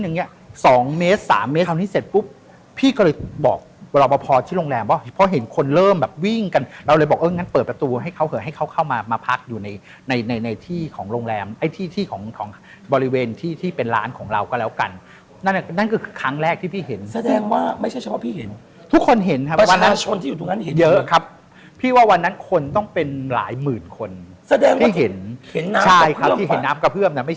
เรามาพอที่โรงแรมเพราะเห็นคนเริ่มแบบวิ่งกันเราเลยบอกเอองั้นเปิดประตูให้เขาเข้ามาพักอยู่ในที่ของโรงแรมที่ของบริเวณที่เป็นร้านของเราก็แล้วกันนั่นคือครั้งแรกที่พี่เห็นแสดงว่าไม่ใช่เฉพาะพี่เห็นทุกคนเห็นครับประชาชนที่อยู่ตรงนั้นเห็นเยอะครับพี่ว่าวันนั้นคนต้องเป็นหลายหมื่นคนแสดงว่าเห็นน้ำกระเพื้อม